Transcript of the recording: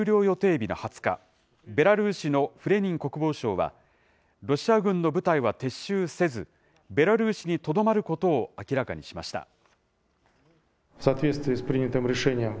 予定日の２０日、ベラルーシのフレニン国防相は、ロシア軍の部隊は撤収せず、ベラルーシにとどまることを明らかにしました。